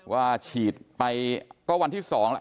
ว่าฉีดไปก็วันที่๒แล้ว